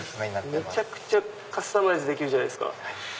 めちゃくちゃカスタマイズできるじゃないですか。